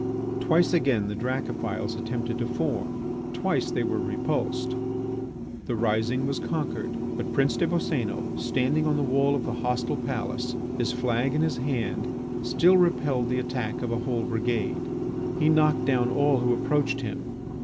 Twice again the Dracophils attempted to form, twice they were repulsed. The rising was conquered. But Prince des Boscénos, standing on the wall of the hostile palace, his flag in his hand, still repelled the attack of a whole brigade. He knocked down all who approached him.